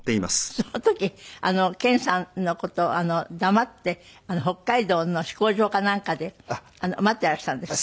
その時研さんの事を黙って北海道の飛行場かなんかで待ってらしたんですって？